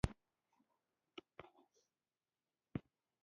نوي یمه پوښتنه د بن توافقاتو مطالب غواړي.